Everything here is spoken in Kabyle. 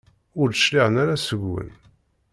Ur d-cliɛen ara seg-wen.